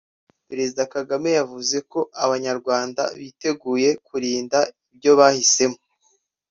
Perezida Kagame yavuze ko Abanyarwanda biteguye kurinda ibyo bahisemo